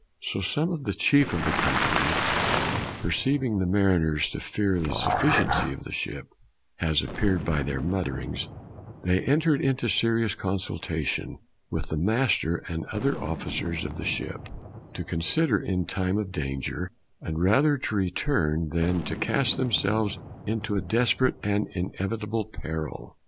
So some of the cheefe of the cpmpany, perceiveing the mariners to feare the suffisiencieof the shipe, as appeared by their mutterings, they entred into serious consullt4tionwiththem[aste]r and other officers of the ship, to consider in time of the danger; and rather to retume then to cast them selves into a desperate and inevitable perill.